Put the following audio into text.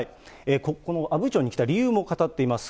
この阿武町に来た理由も語っています。